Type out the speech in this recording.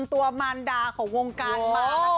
ตัวมาลดาร์ของวงการเบ้า